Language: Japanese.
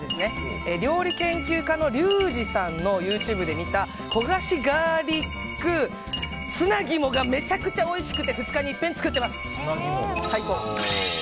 料理研究家のリュウジさんのＹｏｕＴｕｂｅで見た焦がしガーリック砂肝がめちゃくちゃおいしくて２日にいっぺん作ってます。